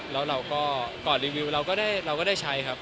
แล้วเราก็ก่อนรีวิวเราก็ได้ใช้ครับ